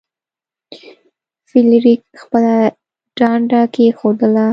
فلیریک خپله ډنډه کیښودله.